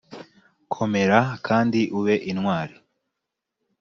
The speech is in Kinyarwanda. komera kandi ube intwari,